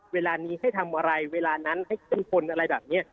เวลานี้ให้ทำอะไรเวลานั้นให้เข้มคนอะไรแบบนี้